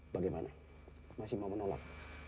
bagaimana masih mau menolak